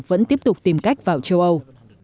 vẫn tiếp tục tìm cách vào châu âu